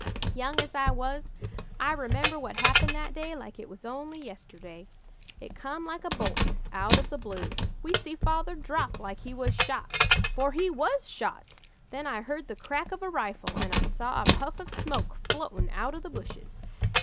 "Young as I was, I remember what happened that day like it was only yesterday. It come like a bolt out of the blue. We see Father drop like he was shot for he was shot! Then I heard the crack of a rifle and I saw a puff of smoke floatin' out o' the bushes.